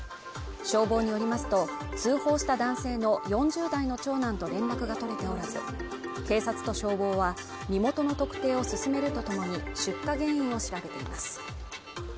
消防によりますと通報した男性の４０代の長男と連絡が取れておらず警察と消防は身元の特定を進めるとともに出火原因を調べています